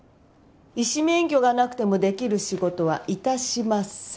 医師免許がなくても出来る仕事は致しません。